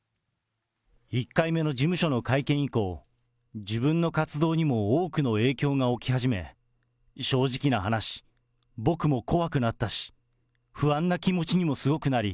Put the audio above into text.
１回目の事務所の会見以降、自分の活動にも多くの影響が起き始め、正直な話、僕も怖くなったし、不安な気持ちにもすごくなり、